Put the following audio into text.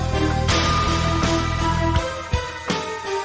ก็ไม่น่าจะดังกึ่งนะ